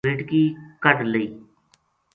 بیٹکی کَڈھ لئی